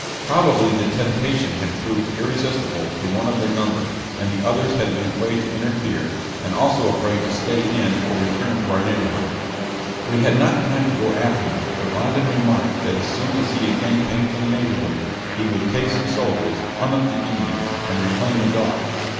Probably the temptation had proved irresistible to one of their number, and the others had been afraid to interfere, and also afraid to stay in or return to our neighborhood. We had not time to go after them; but Rondon remarked that as soon as he again came to the neighborhood he would take some soldiers, hunt up the Indians, and reclaim the dog.